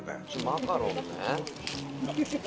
マカロンね。